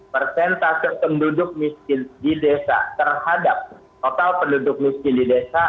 persentase penduduk miskin di desa terhadap total penduduk miskin di desa